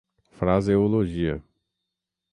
fraseologia